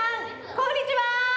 こんにちは！